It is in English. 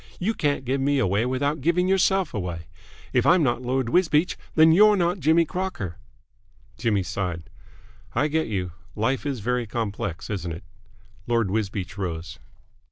You can't give me away without giving yourself away. If I'm not Lord Wisbeach, then you're not Jimmy Crocker." Jimmy sighed. "I get you. Life is very complex, isn't it?" Lord Wisbeach rose.